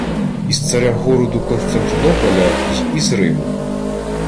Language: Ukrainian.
— Із царя-городу Константинополя й із Рима.